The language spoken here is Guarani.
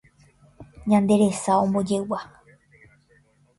Ñande resa ombojegua